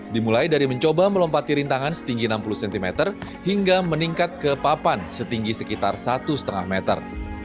dimulai dari mencoba melompati rintangan setinggi enam puluh cm hingga meningkat ke papan setinggi sekitar satu lima meter